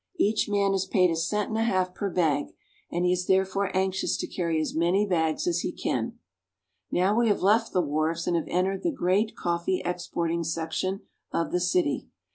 Each man is paid a cent and a half per bag, and he is therefore anxious to carry as many bags as he can. Now we have left the wharves and have entered the great coffee exporting section of the city.